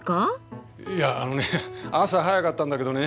いやあのね朝早かったんだけどね